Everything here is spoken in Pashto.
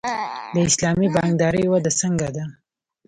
د اسلامي بانکدارۍ وده څنګه ده؟